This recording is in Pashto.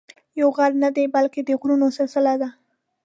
یو غر نه دی بلکې د غرونو سلسله ده.